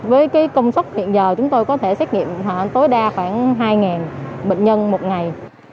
với công suất hiện giờ chúng tôi có thể xét nghiệm tối đa khoảng hai bệnh nhân một ngày